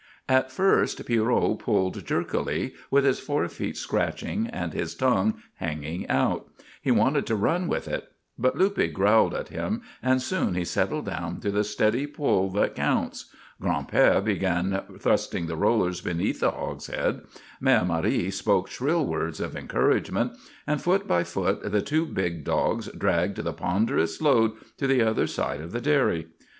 At first Pierrot pulled jerkily, with his forefeet scratching and his tongue hanging out; he wanted to run with it. But Luppe growled at him and soon he settled down to the steady pull that counts. Gran'père began thrusting the rollers beneath the hogshead, Mère Marie spoke shrill words of encouragement, and foot by foot the two big dogs dragged the ponderous load to the other side of the dairy.